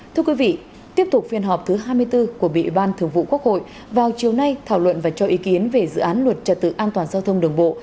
thưa quý vị tiếp tục phiên họp thứ hai mươi bốn của bị ban thường vụ quốc hội vào chiều nay thảo luận và cho ý kiến về dự án luật trật tự an toàn giao thông đường bộ